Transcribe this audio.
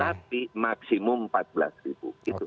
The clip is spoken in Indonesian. tetapi maksimum rp empat belas gitu